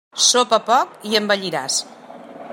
Sopa poc i envelliràs.